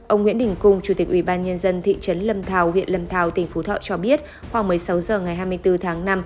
ông nguyễn đình cung chủ tịch ubnd thị trấn lâm thao huyện lâm thao tỉnh phú thọ cho biết khoảng một mươi sáu h ngày hai mươi bốn tháng năm